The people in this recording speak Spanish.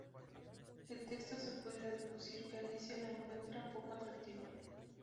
Del texto se puede deducir que Alicia la encuentra poco atractiva.